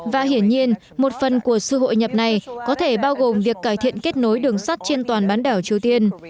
và hiển nhiên một phần của sự hội nhập này có thể bao gồm việc cải thiện kết nối đường sắt trên toàn bán đảo triều tiên